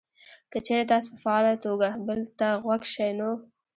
که چېرې تاسې په فعاله توګه بل ته غوږ شئ نو: